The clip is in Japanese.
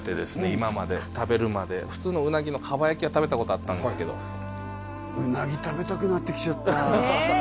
今まで食べるまで普通のうなぎの蒲焼きは食べたことあったんですけどうなぎ食べたくなってきちゃったねえ